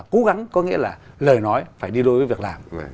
cố gắng có nghĩa là lời nói phải đi đôi với việc làm